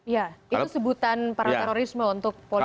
ya itu sebutan para terorisme untuk politik